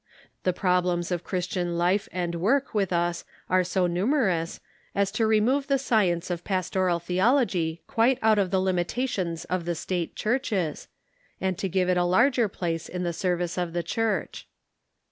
The problems of Christian life and Avork Avith us are so numerous as to remove the science of Pastoral Theology quite out of the limitations of the State Churches, and to o ive it a larger place in the service of the Church.